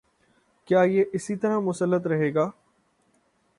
کیا یہ اسی طرح مسلط رہے گا؟